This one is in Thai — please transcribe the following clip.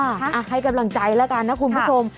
ให้กำลังใจแล้วกันนะคุณผู้ชม